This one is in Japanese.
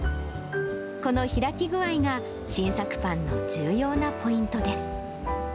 この開き具合が新作パンの重要なポイントです。